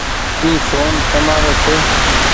اي ڦون تمآرو ڇي۔